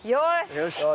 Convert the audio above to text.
よし！